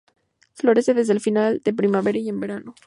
Florece desde final de primavera y en verano.